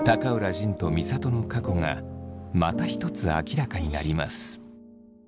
仁と美里の過去がまた一つ明らかになります。